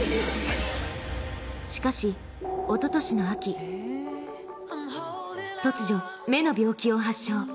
しかし、おととしの秋突如、目の病気を発症。